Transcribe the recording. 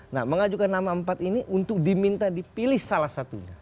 nah mengajukan nama empat ini untuk diminta dipilih salah satunya